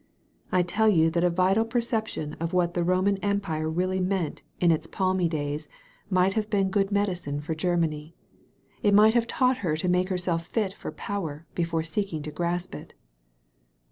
I teU you that a vital perception of what the Roman Empire really meant in its palmy 198 A CLASSIC INSTANCE days might have been good medicine for Grennany. It might have taught her to make herself fit for power before seeking to grasp it."